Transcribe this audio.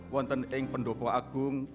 wanten eng pendopo agung